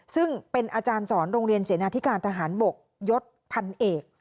ซึ่งเป็นอาจารย์สอนโรงเรียนเสนาธิการทหารบกยศพันเอก